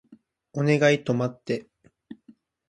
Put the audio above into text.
お願い止まって